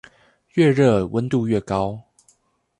愈熱溫度愈高